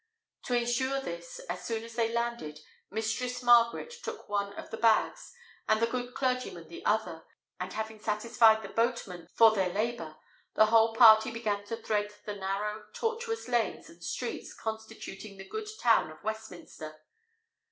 To ensure this, as soon as they had landed. Mistress Margaret took one of the bags, and the good clergyman the other, and having satisfied the boatmen for their labour, the whole party began to thread the narrow, tortuous lanes and streets constituting the good town of Westminster.